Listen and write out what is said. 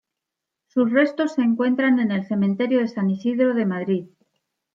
Sus restos se encuentran en el cementerio de San Isidro de Madrid.